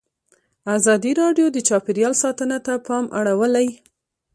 ازادي راډیو د چاپیریال ساتنه ته پام اړولی.